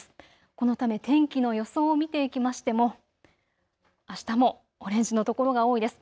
このため天気の予想を見ていきましてもあしたもオレンジの所が多いです。